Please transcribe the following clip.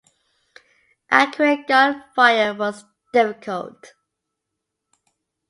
Accurate gunfire was difficult.